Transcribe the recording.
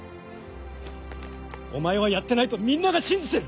お前はやってないとみんなが信じてる！